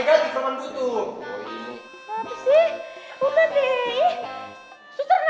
suster kenapa bangun aja burung ambil darah saya kesian yang roman